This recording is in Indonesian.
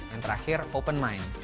dan terakhir open mind